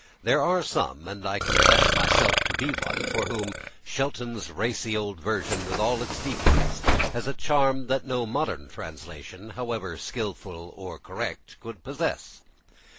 There are some and I confess myself to be one for whom Shelton's racy old version, with all its defects, has a charm that no modern translation, however skilful or correct, could possess.